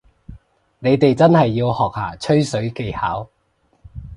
你哋真係要學下吹水技巧